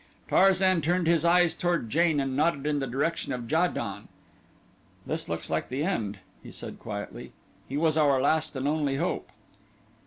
Tarzan turned his eyes toward Jane and nodded in the direction of Ja don. "This looks like the end," he said quietly. "He was our last and only hope."